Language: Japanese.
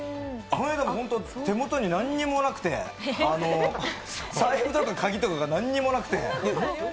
この間も手元になんにもなくて、財布とか鍵とかがなんにもなくて。